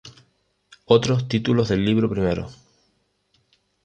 Otros Títulos del Libro Primero.